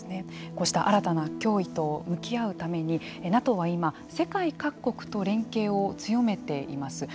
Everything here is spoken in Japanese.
こうした新たな脅威と向き合うためにＮＡＴＯは今世界各国と連携を強めています。